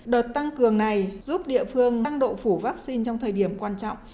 đợt tăng cường này giúp địa phương tăng độ phủ vaccine trong thời điểm quan trọng